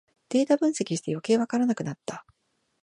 データ分析してよけいわからなくなった